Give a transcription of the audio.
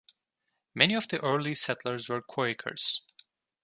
Many of the early settlers were Quakers.